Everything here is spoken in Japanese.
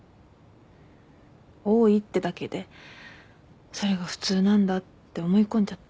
多いってだけでそれが普通なんだって思い込んじゃって。